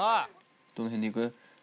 どの辺でいく？